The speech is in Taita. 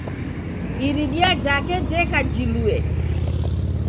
Iridia jako jeka jilue